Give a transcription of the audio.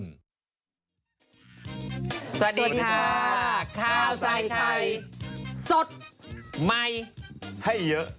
สวัสดีค่ะข้าวใส่ไข่สดใหม่ให้เยอะ